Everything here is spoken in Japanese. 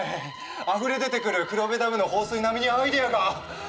あふれ出てくる黒部ダムの放水並みにアイデアが。